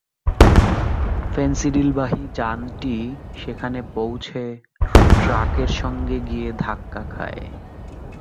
ফেনসিডিলবাহী যানটি সেখানে পৌঁছে ট্রাকের সঙ্গে গিয়ে ধাক্কা খায়।